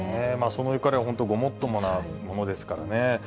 その怒りは本当、ごもっともなものですからね。